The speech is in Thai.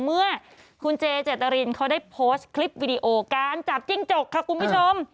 เมื่อคุณเจเจตรินเขาได้โพสต์คลิปวิดีโอการจับจิ้งจกค่ะคุณผู้ชม